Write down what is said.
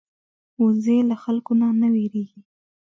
وزې له خلکو نه نه وېرېږي